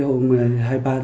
cảm ơn các bạn